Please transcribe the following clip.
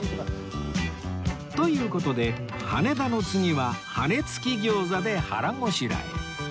という事で羽田の次は羽付き餃子で腹ごしらえ